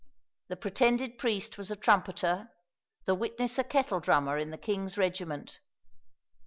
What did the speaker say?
The pretended priest was a trumpeter, the witness a kettle drummer in the king's regiment.